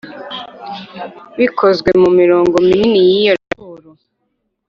Bikozwe mu mirongo minini y’iyo raporo